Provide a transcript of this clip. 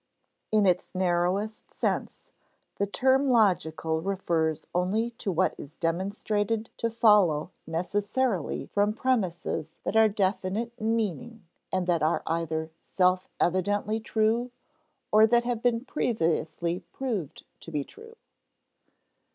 In its narrowest sense, the term logical refers only to what is demonstrated to follow necessarily from premises that are definite in meaning and that are either self evidently true, or that have been previously proved to be true.